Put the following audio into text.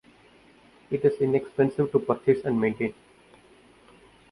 It is inexpensive to purchase and maintain.